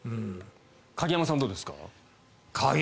鍵山さんはどうですか？